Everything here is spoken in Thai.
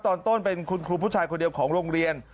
ตอนต้นเป็นคุณครูผู้ชายคนเดียวของโรงเรียน